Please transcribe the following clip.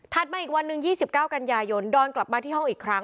มาอีกวันหนึ่ง๒๙กันยายนดอนกลับมาที่ห้องอีกครั้ง